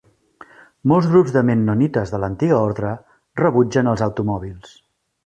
Molts grups de mennonites de l'antiga ordre rebutgen els automòbils.